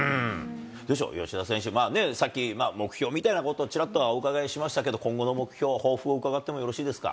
どうでしょう、吉田選手、さっき、目標みたいなこと、ちらっとはお伺いしましたけど、今後の目標、抱負を伺ってもよろしいですか？